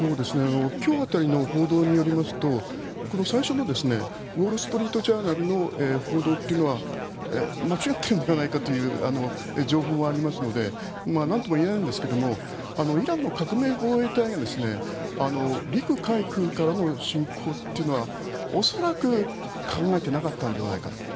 今日辺りの報道によりますと最初のウォール・ストリート・ジャーナルの報道というのは間違っているのではないかという情報もありますのでなんとも言えないんですがイランの革命防衛隊が陸海空からの侵攻というのは恐らく考えてなかったのではないか